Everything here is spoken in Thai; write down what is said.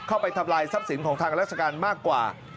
เข้าไปทับลายทรัพย์สินของทางรัฐการณ์มากกว่า